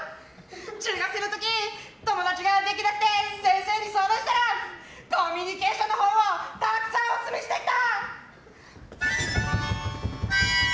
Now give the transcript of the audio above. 中学生の時、友達ができなくて先生に相談したらコミュニケーションの本をたくさんオススメしてきた。